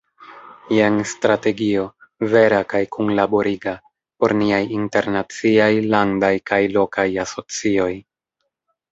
Jen strategio, vera kaj kunlaboriga, por niaj internaciaj, landaj kaj lokaj asocioj.